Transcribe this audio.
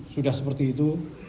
sudah seperti itu